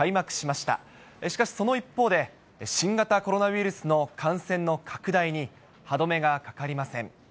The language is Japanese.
しかし、その一方で新型コロナウイルスの感染の拡大に歯止めがかかりません。